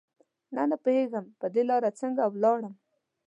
نه پوهېږم پر دې لاره څرنګه ولاړم